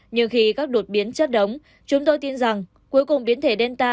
nhưng khi các đột biến chất đống chúng tôi tin rằng cuối cùng biến thể delta